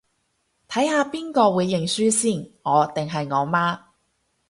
睇下邊個會認輸先，我定係我媽